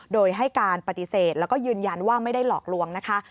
โดยให้การปฏิเสธแล้วก็ยืนยันว่าไม่ได้หลอกลวงนะคะ